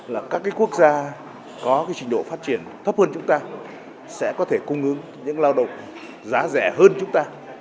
là các quốc gia có trình độ phát triển thấp hơn chúng ta sẽ có thể cung ứng những lao động giá rẻ hơn chúng ta